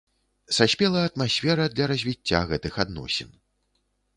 Саспела атмасфера для развіцця гэтых адносін.